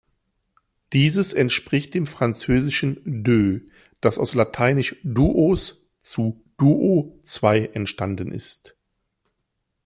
Dieses entspricht dem französischen "deux", das aus lateinisch "duos" zu "duo" „zwei“ entstanden ist.